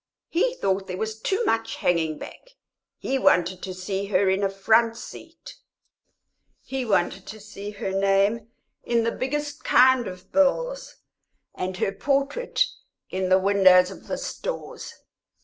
He thought there was too much hanging back; he wanted to see her in a front seat; he wanted to see her name in the biggest kind of bills and her portrait in the windows of the stores.